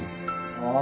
ああ！